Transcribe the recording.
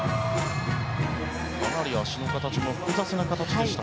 かなり脚の形も複雑な形でした。